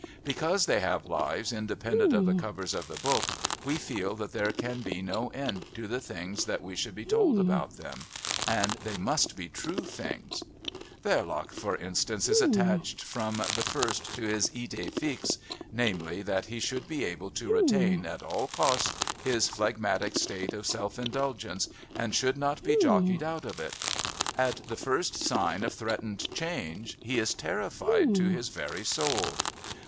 Because they have lives independent of the covers of the book we feel that there can be no end to the things that we should be told about them, and they must be true things. Verloc, for instance, is attached from the first to his idée fixe namely, that he should be able to retain, at all costs, his phlegmatic state of self indulgence and should not be jockeyed out of it. At the first sign of threatened change he is terrified to his very soul.